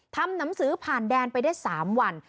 ทำหนังสือผ่านแดนไปได้๓วัน